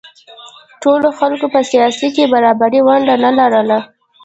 ټولو خلکو په سیاست کې برابره ونډه نه لرله